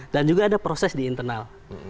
dan juga ada proses di internal